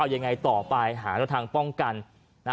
ยังไงต่อไปหาแนวทางป้องกัน